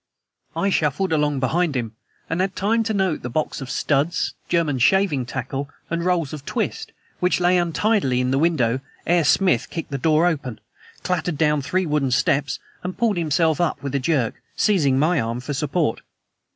I shuffled along behind him, and had time to note the box of studs, German shaving tackle and rolls of twist which lay untidily in the window ere Smith kicked the door open, clattered down three wooden steps, and pulled himself up with a jerk, seizing my arm for support.